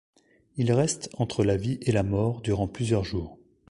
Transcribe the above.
Il reste entre la vie et la mort durant plusieurs jours.